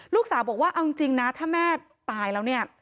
ลูกสาวบอกว่าเอาจริงนะถ้าแม่ตายแล้วเนี่ย